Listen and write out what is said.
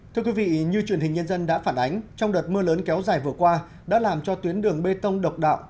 thưa quý vị như truyền hình nhân dân đã phản ánh trong đợt mưa lớn kéo dài vừa qua đã làm cho tuyến đường bê tông độc đạo